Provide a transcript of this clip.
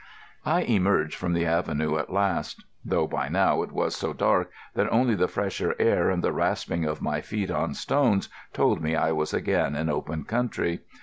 I emerged from the avenue at last; though by now it was so dark that only the fresher air and the rasping of my feet on stones told me I was again in open country.